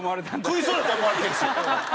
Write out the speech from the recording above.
食いそうだと思われてるんですよ。